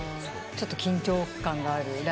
ちょっと緊張感がある。